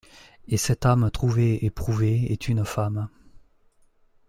Et cette âme trouvée et prouvée est une femme.